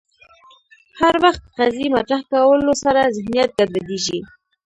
هر وخت قضیې مطرح کولو سره ذهنیت ګډوډېږي